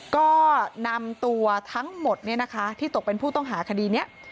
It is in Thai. ก็นำตัวทั้งหมดที่ตกเป็นผู้ต้องหาคดีนี้